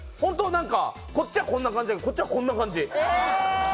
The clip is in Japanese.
こっちはこんな感じだけど、こっちはこんな感じ。